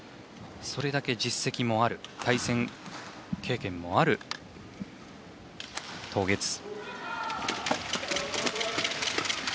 それだけ実績もある対戦経験もあるト・ゲツ。